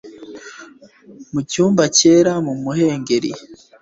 mu cyumba cyera mu muhengeri